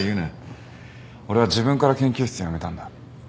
俺は自分から研究室辞めたんだ。